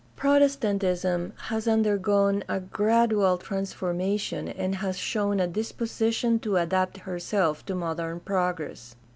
Protestantism has undergone a gradual transformation and has shown a disposition to adapt herself to modern progress.